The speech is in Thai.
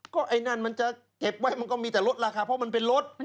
ก็ไอ้นั่นมันจะเก็บไว้มันก็มีแต่ลดราคาเพราะมันเป็นรถ